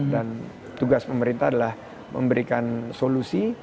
tugas pemerintah adalah memberikan solusi